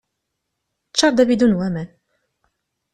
Ččar-d abidun n waman.